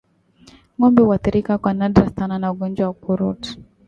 Ngombe huathirika kwa nadra sana na ugonjwa wa ukurutu